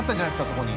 そこに。